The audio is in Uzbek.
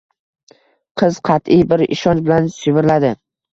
Qiz qatʼiy bir ishonch bilan shivirladi